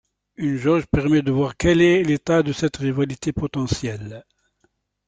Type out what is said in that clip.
Une jauge permet de voir quel est l'état de cette rivalité potentielle.